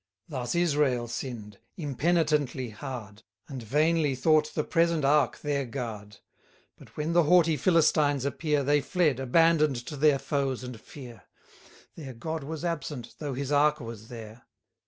Thus Israel sinn'd, impenitently hard, And vainly thought the present ark their guard; But when the haughty Philistines appear, They fled, abandon'd to their foes and fear; Their God was absent, though his ark was there.